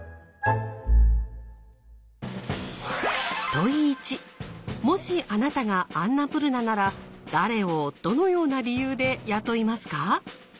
問１もしあなたがアンナプルナなら誰をどのような理由で雇いますか？